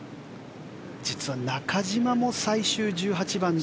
実は中島も最終１８番で。